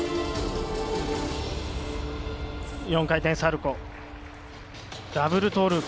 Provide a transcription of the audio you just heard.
４回転サルコー。